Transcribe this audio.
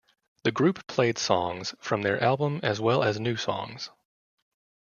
The group played songs from their album as well as new songs.